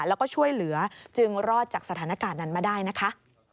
แล้วก็ช่วยเหลือจึงรอดจากสถานการณ์นั้นมาได้นะคะ